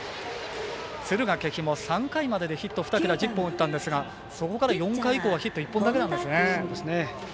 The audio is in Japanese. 敦賀気比も３回まででヒット二桁１０本打ったんですがそこから４回以降はヒット１本だけなんですね。